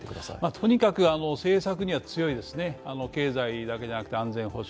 とにかく政策には強いですね、経済だけじゃなくて安全保障。